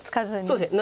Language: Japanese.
そうですね。